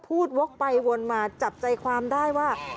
วกไปวนมาจับใจความได้ว่า